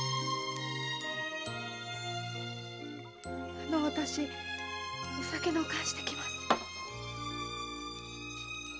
あの私お酒のお燗をしてきます。